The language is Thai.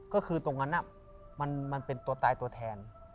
ก็คือตรงนั้นมันเป็นตัวตายตัวแทน